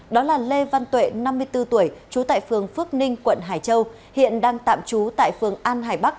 đó là lê văn tuệ năm mươi bốn tuổi trú tại phường phước ninh quận hải châu hiện đang tạm trú tại phường an hải bắc